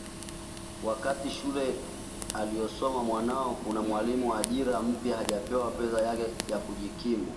wakati shule anayosoma mwanao kuna mwalimu wa ajira mpya hajapewa pesa yake ya kujikimu